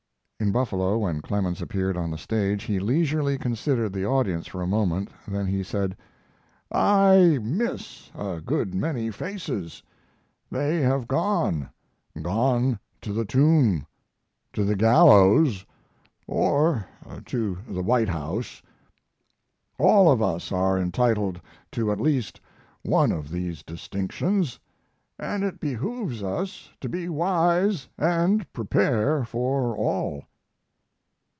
In Buffalo, when Clemens appeared on the stage, he leisurely considered the audience for a moment; then he said: "I miss a good many faces. They have gone gone to the tomb, to the gallows, or to the White House. All of us are entitled to at least one of these distinctions, and it behooves us to be wise and prepare for all."